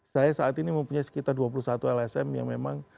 saya saat ini mempunyai sekitar dua puluh satu lsm yang memang